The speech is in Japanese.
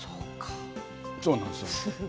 そうなんですよ。